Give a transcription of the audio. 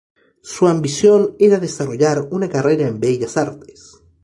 Su ambición era desarrollar una carrera en bellas artes.